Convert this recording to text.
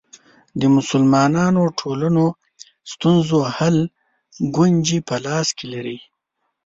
د مسلمانو ټولنو ستونزو حل کونجي په لاس کې لري.